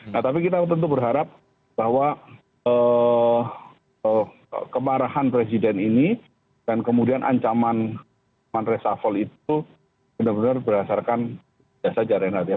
nah tapi kita tentu berharap bahwa kemarahan presiden ini dan kemudian ancaman resapel itu benar benar berdasarkan biasa jarang hati hati